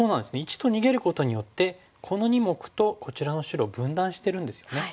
①と逃げることによってこの２目とこちらの白を分断してるんですよね。